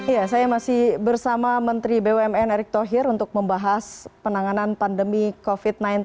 ya saya masih bersama menteri bumn erick thohir untuk membahas penanganan pandemi covid sembilan belas